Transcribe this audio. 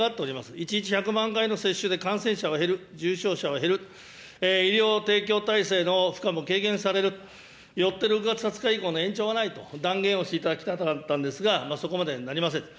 １日１００万回の接種で感染者が減る、重症者が減る、医療提供体制の負荷も軽減されると、よって６月２０日以降の延長はないと断言をしていただきたかったんですが、そこまではなりません。